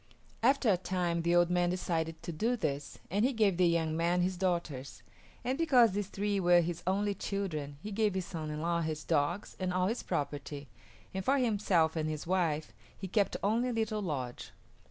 After a time the old man decided to do this, and he gave the young man his daughters; and because these three were his only children he gave his son in law his dogs and all his property, and for himself and his wife he kept only a little lodge.